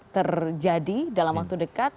terjadi dalam waktu dekat